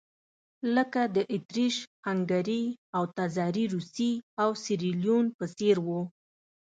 لکه د اتریش-هنګري او تزاري روسیې او سیریلیون په څېر وو.